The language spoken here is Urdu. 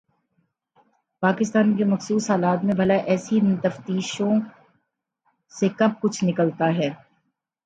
پاکستان کے مخصوص حالات میں بھلا ایسی تفتیشوں سے کب کچھ نکلتا ہے؟